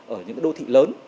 ở những cái đô thị lớn